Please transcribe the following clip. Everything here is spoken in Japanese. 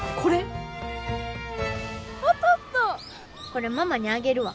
これママにあげるわ。